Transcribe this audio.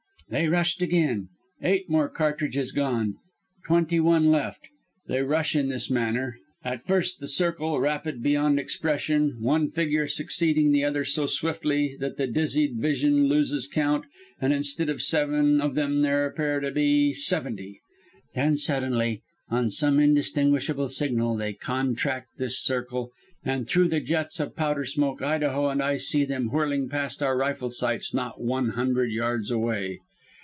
"They rushed again. Eight more cartridges gone. Twenty one left. They rush in this manner at first the circle, rapid beyond expression, one figure succeeding the other so swiftly that the dizzied vision loses count and instead of seven of them there appear to be seventy. Then suddenly, on some indistinguishable signal, they contract this circle, and through the jets of powder smoke Idaho and I see them whirling past our rifle sights not one hundred yards away.